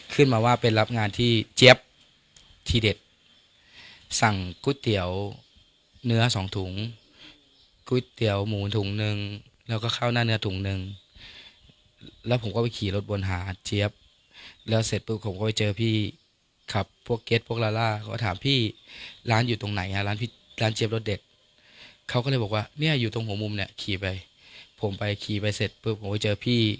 ขึ้นมาว่าไปรับงานที่เจี๊ยบทีเด็ดสั่งก๋วยเตี๋ยวเนื้อสองถุงก๋วยเตี๋ยวหมูถุงนึงแล้วก็เข้าหน้าเนื้อถุงนึงแล้วผมก็ไปขี่รถวนหาเจี๊ยบแล้วเสร็จปุ๊บผมก็ไปเจอพี่ขับพวกเก็ตพวกลาล่าเขาก็ถามพี่ร้านอยู่ตรงไหนอ่ะร้านพี่ร้านเจี๊ยรสเด็ดเขาก็เลยบอกว่าเนี่ยอยู่ตรงหัวมุมเนี่ยขี่ไปผมไปขี่ไปเสร็จปุ๊บผมไปเจอพี่